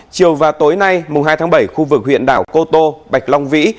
chiều và tối nay mùng hai tháng bảy khu vực huyện đảo cô tô bạch long vĩ